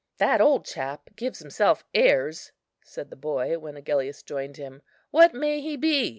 "That old chap gives himself airs," said the boy, when Agellius joined him; "what may he be?